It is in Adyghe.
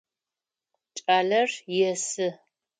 Кӏалэр есы.